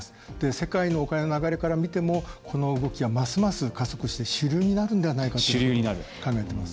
世界のお金の流れから見てもこの動きは、ますます加速して主流になるんではないかと考えてます。